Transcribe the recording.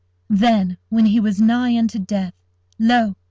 Then, when he was nigh unto death, lo!